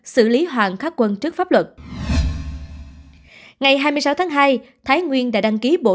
xử lý hoàng khắc quân trước pháp luật ngày hai mươi sáu tháng hai thái nguyên đã đăng ký bổ